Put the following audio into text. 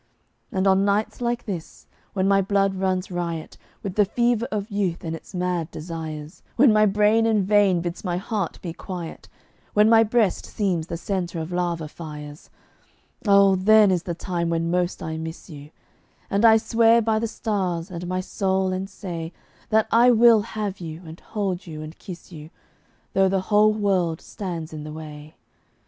And on nights like this, when my blood runs riot With the fever of youth and its mad desires, When my brain in vain bids my heart be quiet, When my breast seems the centre of lava fires, Oh, then is the time when most I miss you, And I swear by the stars and my soul and say That I will have you and hold you and kiss you, Though the whole world stands in the way.